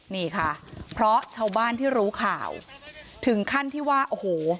นี่ค่ะเพราะชาวบ้านที่รู้ข่าวถึงขั้นที่ว่าโอ้โห